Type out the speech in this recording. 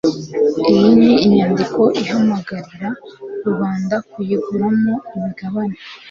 iyi ni inyandiko ihamagararira rubanda kuyiguramo imigabane